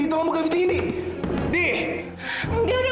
tolong buka pintu indi